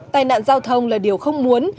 tai nạn giao thông là điều không muốn